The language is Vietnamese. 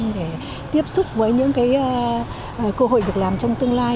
để tiếp xúc với những cơ hội việc làm trong tương lai